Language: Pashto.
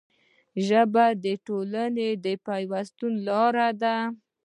ژبه د ټولنې د پیوستون لاره ده